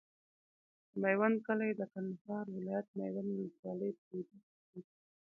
د میوند کلی د کندهار ولایت، میوند ولسوالي په لویدیځ کې پروت دی.